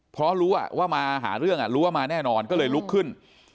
เพราะรู้ว่ามาหาเรื่องรู้ว่ามาแน่นอนก็เลยลุกขึ้น